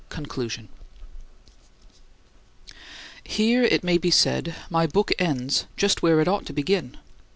CONCLUSION Here, it may be said, my book ends just where it ought to begin.